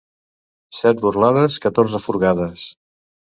Set burlades, catorze furgades.